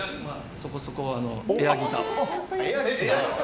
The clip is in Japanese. そこそこ、エアギターを。